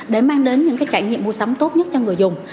để mang đến những trải nghiệm mua sắm tốt nhất cho người dùng